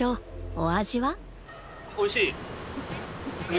おいしい。